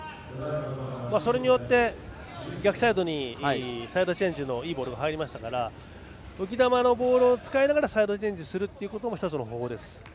それによって逆サイドにサイドチェンジのいいボールが入りましたから浮き球のボールを使いながらサイドチェンジするのも１つの方法です。